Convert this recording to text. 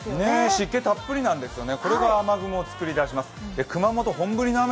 湿気たっぷりなんですよね。